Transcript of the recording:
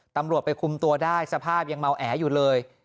ตำรวจไปคุมตัวได้สภาพยังเมาแออยู่เลย